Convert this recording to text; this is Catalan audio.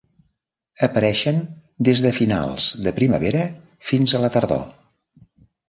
Apareixen des de finals de primavera fins a la tardor.